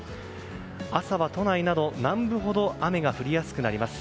朝は都内など南部ほど雨が降りやすくなります。